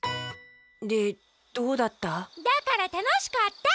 でどうだった？